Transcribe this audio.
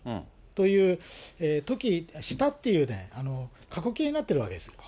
という、したっていう、過去形になってるわけです。